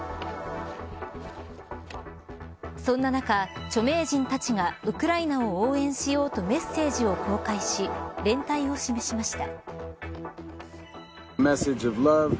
そんな中、著名人たちがウクライナを応援しようとメッセージを公開し連帯を示しました。